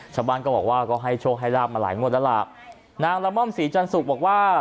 ชาวบ้านก็บอกว่าก็ให้โชคให้ลาบมาหลายงวดแล้วล่ะนางละม่อมศรีจันสุกบอกว่า